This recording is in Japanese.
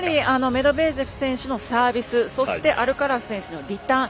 メドべージェフ選手のサービス、そしてアルカラス選手のリターン